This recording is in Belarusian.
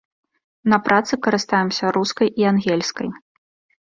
На працы карыстаемся рускай і ангельскай.